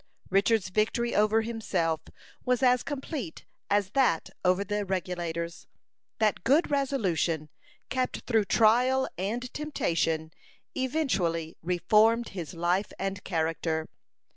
Richard's victory over himself was as complete as that over the Regulators. That good resolution, kept through trial and temptation, eventually reformed his life and character.